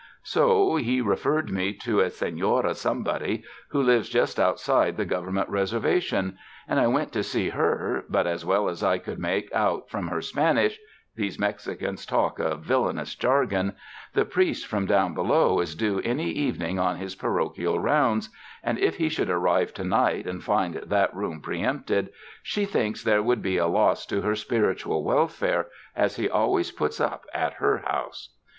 So he referred me to a Senora Somebody who lives just outside the Government Reservation, 131 UNDER THE SKY IN CALIFORNIA and T went to see her, but as well as I could make out from her Spanish — these Mexicans talk a vil lainous jargon — the priest from down below is due any evening on his parochial rounds, and if he should arrive to night and find that room preempted, she thinks there would be a loss to her spiritual wel fare, as he always puts up at her house.